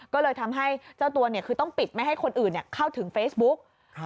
ก็เลยทำให้เจ้าตัวคือต้องปิดไม่ให้คนอื่นเข้าถึงเฟซบุ๊ก